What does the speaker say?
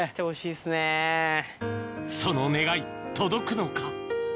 その願い届くのか？